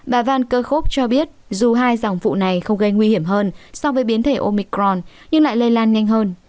bà van kerkhoop cho biết dù hai dòng phụ này không gây nguy hiểm hơn so với biến thể omicron nhưng lại lây lan nhanh hơn